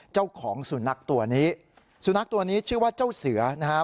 เจ้าของสุนัขตัวนี้สุนัขตัวนี้ชื่อว่าเจ้าเสือนะฮะ